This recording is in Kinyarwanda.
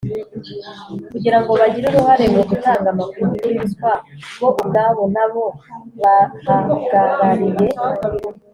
kugira ngo bagire uruhare mu gutanga amakuru kuri ruswa bo ubwabo n abo bahagarariye